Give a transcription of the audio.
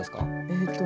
えっとね